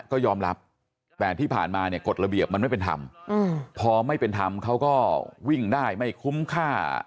ก็ยอมรับแต่ที่ผ่านมาเนี่ยกฎระเบียบมันไม่เป็นธรรมพอไม่เป็นธรรมเขาก็วิ่งได้ไม่คุ้มค่า